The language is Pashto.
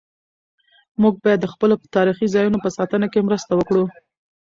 موږ باید د خپلو تاریخي ځایونو په ساتنه کې مرسته وکړو.